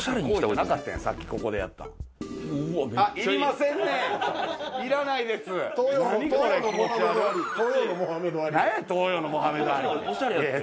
なんや東洋のモハメド・アリって。